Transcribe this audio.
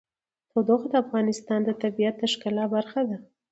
تودوخه د افغانستان د طبیعت د ښکلا برخه ده.